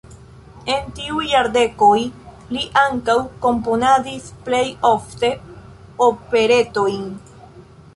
En tiuj jardekoj li ankaŭ komponadis, plej ofte operetojn.